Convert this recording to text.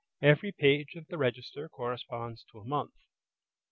Every page of the register corresponds to a month.